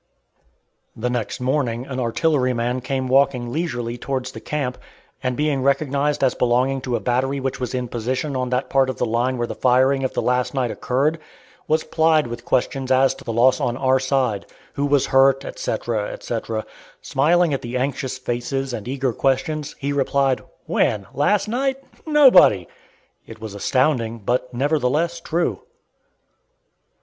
The next morning an artilleryman came walking leisurely towards the camp, and being recognized as belonging to a battery which was in position on that part of the line where the firing of the last night occurred, was plied with questions as to the loss on our side, who was hurt, etc., etc. Smiling at the anxious faces and eager questions, he replied: "When? Last night? Nobody!" It was astounding, but nevertheless true.